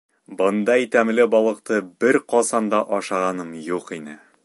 — Бындай тәмле балыҡты бер ҡасан да ашағаным юҡ ине.